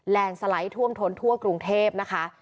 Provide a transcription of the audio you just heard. แลนด์สไลด์ท่วมทนทั่วกรุงเทพฯนะคะ